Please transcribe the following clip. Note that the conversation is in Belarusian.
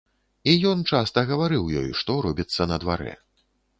І ён часта гаварыў ёй, што робіцца на дварэ.